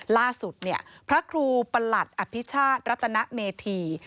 ล่าสุดเนี่ยพระครูประหลัดอภิชาติรัตนเมธี